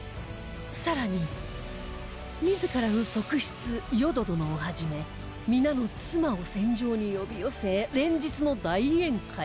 更に自らの側室淀殿をはじめ皆の妻を戦場に呼び寄せ連日の大宴会